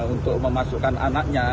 untuk memasukkan anaknya